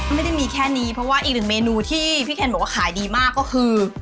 ไม่ได้มีแค่นี้เพราะว่าอีกหนึ่งเมนูที่พี่เคนบอกว่าขายดีมากก็คือ